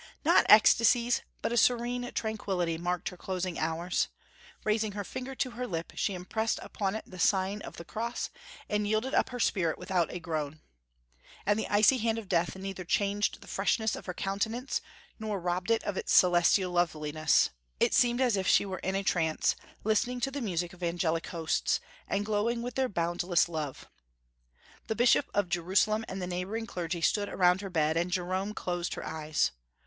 Not ecstasies, but a serene tranquillity, marked her closing hours. Raising her finger to her lip, she impressed upon it the sign of the cross, and yielded up her spirit without a groan. And the icy hand of death neither changed the freshness of her countenance nor robbed it of its celestial loveliness; it seemed as if she were in a trance, listening to the music of angelic hosts, and glowing with their boundless love. The Bishop of Jerusalem and the neighboring clergy stood around her bed, and Jerome closed her eyes.